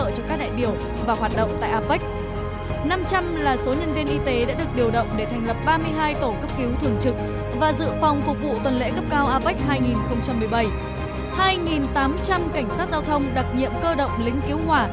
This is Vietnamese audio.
hai tám trăm linh cảnh sát giao thông đặc nhiệm cơ động lính cứu hỏa